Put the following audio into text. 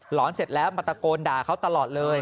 อนเสร็จแล้วมาตะโกนด่าเขาตลอดเลย